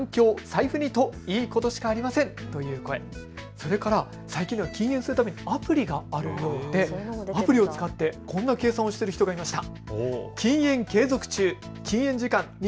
それから最近は禁煙するためにアプリがあるようでアプリを使ってこんな計算をしている人がいました。